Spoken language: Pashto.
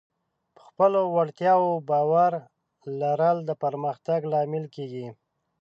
په خپلو وړتیاوو باور لرل د پرمختګ لامل کېږي.